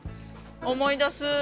思い出す。